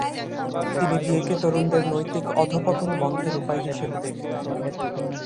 তিনি বিয়েকে তরুণদের নৈতিক অধঃপতন বন্ধের উপায় হিসেবে দেখতেন।